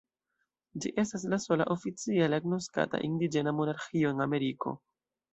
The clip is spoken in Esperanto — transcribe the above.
Ĝi estas la sola oficiale agnoskata indiĝena monarĥio en Ameriko.